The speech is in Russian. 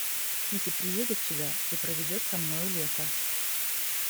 Кити приедет сюда и проведет со мною лето.